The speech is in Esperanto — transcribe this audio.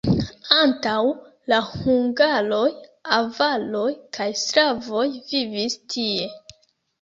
Antaŭ la hungaroj avaroj kaj slavoj vivis tie.